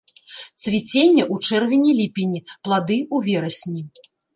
Цвіценне ў чэрвені-ліпені, плады ў верасні.